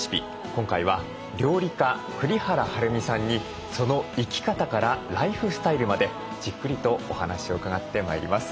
今回は料理家栗原はるみさんにその生き方からライフスタイルまでじっくりとお話を伺ってまいります。